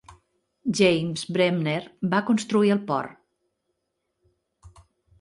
James Bremner va construir el port.